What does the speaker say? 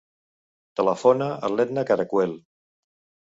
Telefona a l'Edna Caracuel.